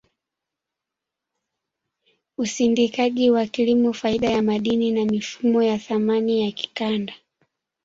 usindikaji wa kilimo faida ya madini na mifumo ya thamani ya kikanda